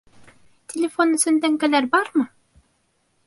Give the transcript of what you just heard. Телефон өсөн тәңкәләр бармы?